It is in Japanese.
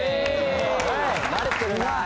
慣れてるなあ。